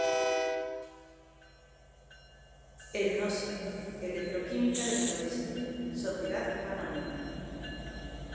Elnosa: Electroquímica del Noroeste, Sociedad Anónima